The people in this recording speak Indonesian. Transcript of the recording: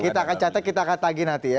kita akan catat kita akan tagih nanti ya